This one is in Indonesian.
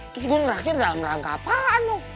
trus gue mau merkir dalam rangka apaan noh